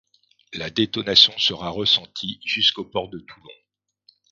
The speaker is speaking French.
La détonation sera ressentie jusqu'au port de Toulon.